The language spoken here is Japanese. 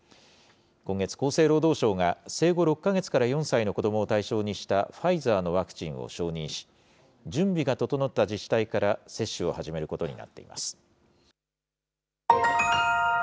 今月、厚生労働省が生後６か月から４歳の子どもを対象にしたファイザーのワクチンを承認し、準備が整った自治体から接種を始めることになっています。